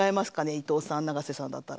伊藤さん永瀬さんだったら。